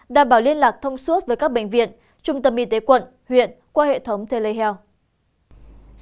đảm bảo liên lạc thông suốt với các bệnh viện trung tâm y tế quận huyện qua hệ thống telehealth